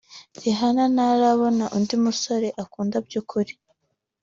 Rihanna ntarabona undi musore akunda by’ukuri